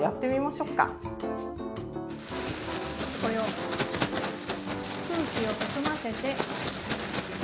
これを空気を含ませて。